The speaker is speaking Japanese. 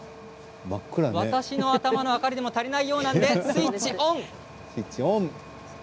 私の頭の明かりでも足りないようなのでスイッチオン！